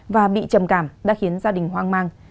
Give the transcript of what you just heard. và bị trầm cảm đã khiến gia đình hoang mang